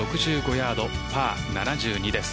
ヤードパー７２です。